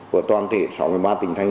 của toàn thể sáu mươi ba tỉnh thành